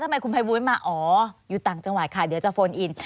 ทำไมคุณภัยบูลมาอ๋ออยู่ต่างจังหวัดค่ะเดี๋ยวจะโฟนอิน